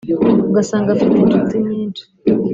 ugasanga afite inshuti nyinshi